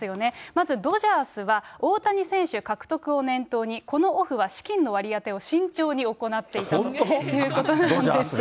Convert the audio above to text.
まずドジャースは大谷選手獲得を念頭にこのオフは資金の割り当てを慎重に行っていたということなんです。